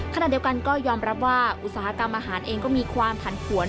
ขณะเดียวกันก็ยอมรับว่าอุตสาหกรรมอาหารเองก็มีความผันผวน